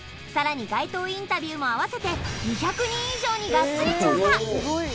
さらに街頭インタビューも合わせて２００人以上にガッツリ調査